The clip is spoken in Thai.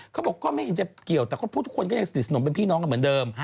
เขาบอกก็ไม่เห็นจะเกี่ยวแต่ก็พูดทุกคนก็ยังสนิทสนมเป็นพี่น้องกันเหมือนเดิม